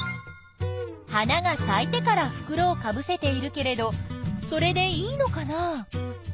花がさいてからふくろをかぶせているけれどそれでいいのかな？